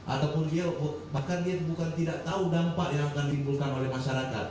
ataupun dia bahkan dia bukan tidak tahu dampak yang akan dibulkan oleh masyarakat